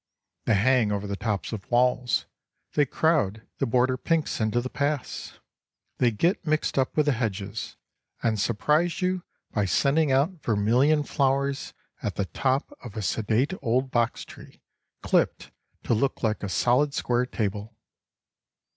They hang over the tops of walls; they crowd the border pinks into the paths; they get mixed up with the hedges, and surprise you by sending out vermilion flowers at the top of a sedate old box tree clipped to look like a solid square table.